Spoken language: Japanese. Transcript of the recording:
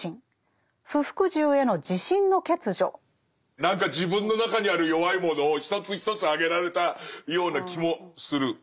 何か自分の中にある弱いものを一つ一つ挙げられたような気もする。